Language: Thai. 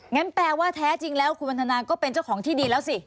แปลว่าแท้จริงแล้วคุณวันทนาก็เป็นเจ้าของที่ดีแล้วสิ